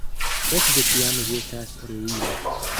Ekde tiam ĝi estas ruino.